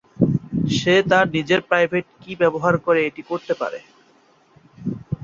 সে তার নিজের private key ব্যবহার করে এটি করতে পারে।